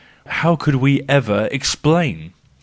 How could we ever explain!